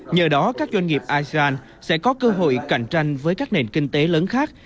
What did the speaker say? nhờ đó các doanh nghiệp asean sẽ có cơ hội cạnh tranh với các nền kinh tế lớn khác